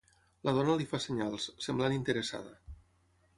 La dona li fa senyals, semblant interessada.